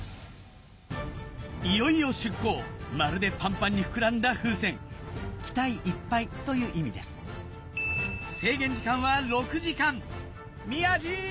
いよいよ出港まるでパンパンに膨らんだ風船期待いっぱいという意味です宮治！